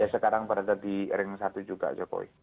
sekarang berada di ring satu juga jokowi